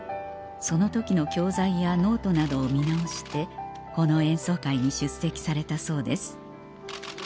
その時の教材やノートなどを見直してこの演奏会に出席されたそうです